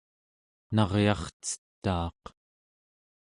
naryarcetaaq